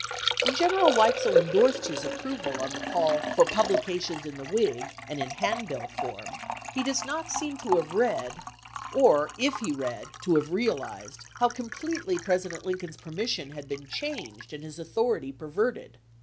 When ibid. General Weitzel indorsed his approval on the call "for publication in the 'Whig' and in hand bill form," he does not seem to have read, or if he Vol. X.— 15 226 ABRAHAM LINCOLN chap. xi. read, to have realized, how completely President Lincoln's permission had been changed and his authority perverted.